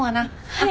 はい！